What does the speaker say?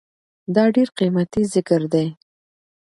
دا ډير قيمتي ذکر دی